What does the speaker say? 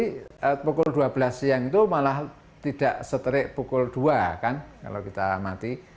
pukul dua belas siang itu malah tidak seterik pukul dua kan kalau kita amati